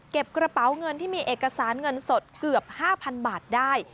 กระเป๋าเงินที่มีเอกสารเงินสดเกือบ๕๐๐๐บาทได้